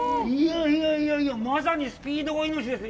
いやいやいや、まさにスピードが命ですね。